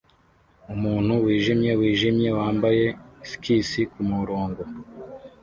Umuntu wijimye wijimye wambaye skisi kumurongo